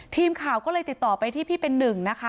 ทีมข่าวก็เลยติดต่อไปที่พี่เป็นหนึ่งนะคะ